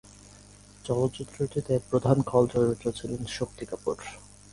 চলচ্চিত্রটিতে প্রধান খলচরিত্রে ছিলেন শক্তি কাপুর।